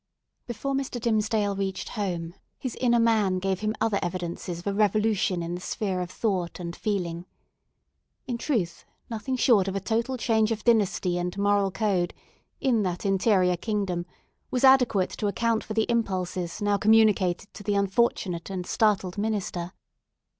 Before Mr. Dimmesdale reached home, his inner man gave him other evidences of a revolution in the sphere of thought and feeling. In truth, nothing short of a total change of dynasty and moral code, in that interior kingdom, was adequate to account for the impulses now communicated to the unfortunate and startled minister.